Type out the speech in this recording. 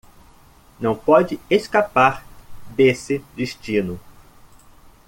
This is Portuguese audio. Não pode escapar desse destino